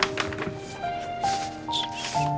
ntar ya pak